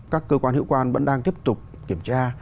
các cơ quan hữu quan vẫn đang tiếp tục kiểm tra